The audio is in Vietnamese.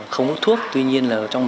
không có thuốc tuy nhiên là trong